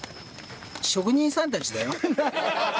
職人さんたちだよ。